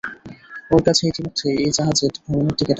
ওর কাছে ইতোমধ্যেই এই জাহাজে ভ্রমণের টিকেট আছে!